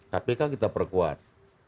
kpk kita perkuat